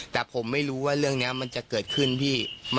แต่ผมไม่รู้ว่าเรื่องนี้มันจะเกิดขึ้นพี่